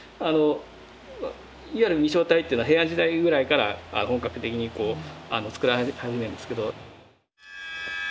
いわゆる御正体っていうのは平安時代ぐらいから本格的につくられ始めるんですけど。